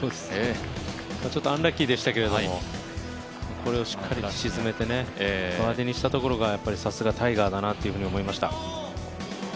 ちょっとアンラッキーでしたけれどもこれをしっかり沈めてバーディーにしたところがやっぱりさすがタイガーだなというふうに思いました。